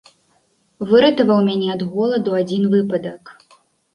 Выратаваў мяне ад голаду адзін выпадак.